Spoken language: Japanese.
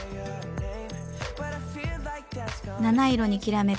七色にきらめく